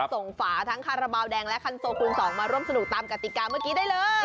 ฝาทั้งคาราบาลแดงและคันโซคูณ๒มาร่วมสนุกตามกติกาเมื่อกี้ได้เลย